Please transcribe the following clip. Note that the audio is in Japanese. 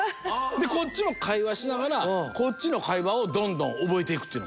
でこっちも会話しながらこっちの会話をどんどん覚えていくっていう。